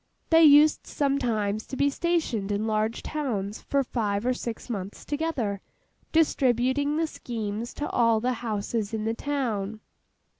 They used sometimes to be stationed in large towns for five or six months together, distributing the schemes to all the houses in the town.